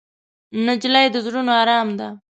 نجلۍ د زړونو ارام ده.